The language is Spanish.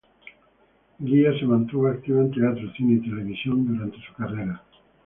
Guia se mantuvo activa en teatro, cine y televisión durante su carrera.